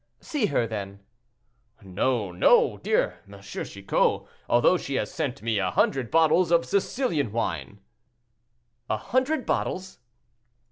"See her, then." "No, no! dear M. Chicot, although she has sent me a hundred bottles of Sicilian wine." "A hundred bottles!"